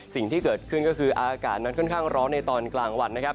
สิ่งที่เกิดขึ้นก็คืออากาศค่อนข้างร้อนในตอนกลางวัน